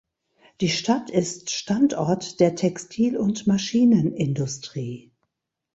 Die Stadt ist Standort der Textil- und Maschinenindustrie.